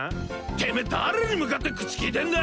てめえ誰に向かって口利いてんだ！